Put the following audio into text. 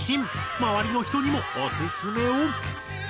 周りの人にもオススメを！